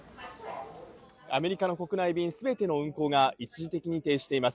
アメリカの国内便全ての運航が一時的に停止しています。